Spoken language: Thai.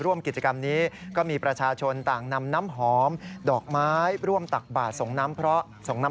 ร่วมกิจกรรมนี้ก็มีประชาชนต่างนำน้ำหอมดอกไม้ร่วมตักบาทส่งน้ำเพราะส่งน้ำ